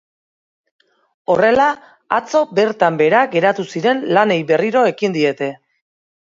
Horrela, atzo bertan behera geratu ziren lanei berriro ekin diete.